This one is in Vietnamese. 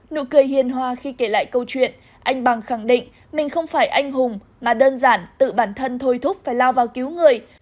nụ cười hiền hòa khi kể lại câu chuyện anh bằng khẳng định mình không phải anh hùng mà đơn giản tự bản thân thôi thúc phải lao vào cứu người